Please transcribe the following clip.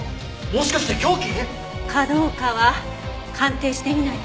かどうかは鑑定してみないと。